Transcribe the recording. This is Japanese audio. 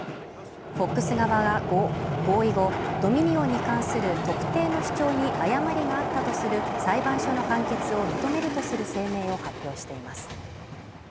ＦＯＸ側が合意後、ドミニオンに関する特定の主張に誤りがあったとする裁判所の判決を認めるとする声明を発表しています。